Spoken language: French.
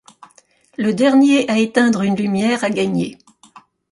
Le dernier à éteindre une lumière a gagné.